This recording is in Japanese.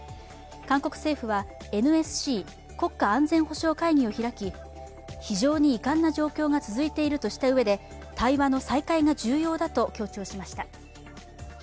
韓国政府はＮＳＣ＝国家安全保障会議を開き非常に遺憾な状況が続いているとしたうえで対話の再開が重要だと強調しました。